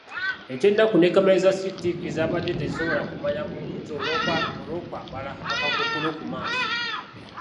Ekyennaku ne kamera za CCTV zaabadde tezisobola kumanya muntu ki olw'okwambala akakookolo ku maaso.